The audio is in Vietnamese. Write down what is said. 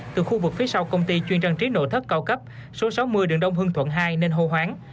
từ khu vực phía sau công ty chuyên trang trí nội thất cao cấp số sáu mươi đường đông hương thuận hai nên hô hoáng